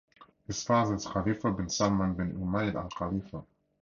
His father is Khalifa bin Salman bin Humaid Al Khalifa.